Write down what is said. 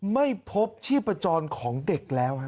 ไม่พบชีพจรของเด็กแล้ว